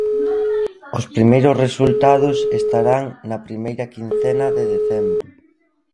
Os primeiros resultados estarán na primeira quincena de decembro.